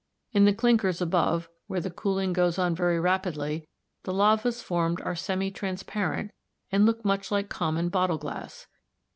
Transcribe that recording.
In the clinkers above, where the cooling goes on very rapidly, the lavas formed are semi transparent and look much like common bottle glass.